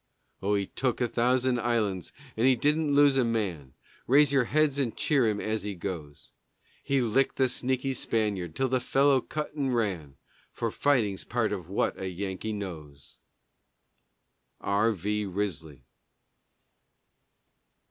Oh, he took a thousand islands and he didn't lose a man (Raise your heads and cheer him as he goes!) He licked the sneaky Spaniard till the fellow cut and ran, For fighting's part of what a Yankee knows! R. V. RISLEY.